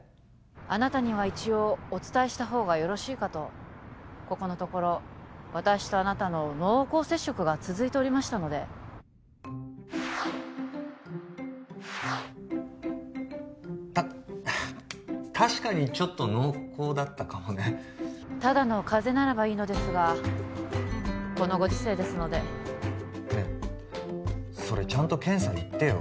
あなたには一応お伝えしたほうがよろしいかとここのところ私とあなたの濃厚接触が続いておりましたのでたっ確かにちょっと濃厚だったかもねただの風邪ならばいいのですがこのご時世ですのでねっそれちゃんと検査行ってよ